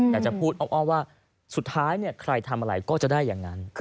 อยากจะพูดอ้อมว่าสุดท้ายใครทำอะไรก็จะได้อย่างนั้น